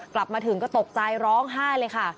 กลับมาถึงก็ตกใจร้องไห้เลยค่ะ